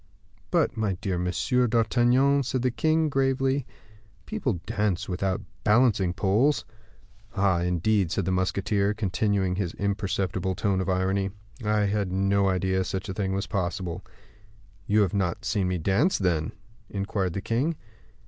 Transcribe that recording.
"But, my dear Monsieur d'Artagnan," said the king, gravely, "people dance without balancing poles." "Ah! indeed," said the musketeer, continuing his imperceptible tone of irony, "I had no idea such a thing was possible." "You have not seen me dance, then?" inquired the king.